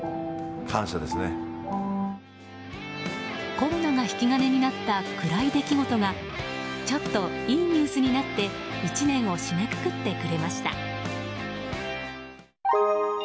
コロナが引き金になった暗い出来事がちょっといいニュースになって１年を締めくくってくれました。